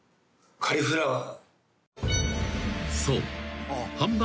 ［カリフラワー］